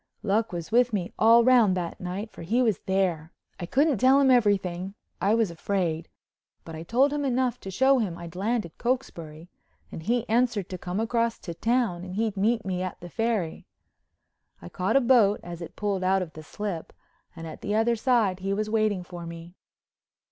Luck was with me all round that night, for he was there. I couldn't tell him everything—I was afraid—but I told him enough to show him I'd landed Cokesbury and he answered to come across to town and he'd meet me at the Ferry. I caught a boat as it pulled out of the slip and at the other side he was waiting for me.